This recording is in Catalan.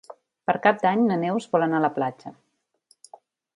Per Cap d'Any na Neus vol anar a la platja.